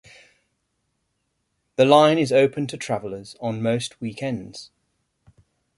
The line is open to travellers on most weekends.